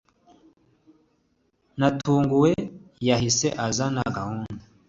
Natunguwe, yahise azana gahunda